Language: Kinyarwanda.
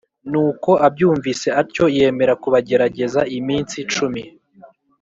Nuko abyumvise atyo yemera kubagerageza iminsi cumi